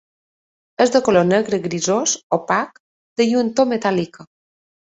És de color negre grisós, opac, de lluentor metàl·lica.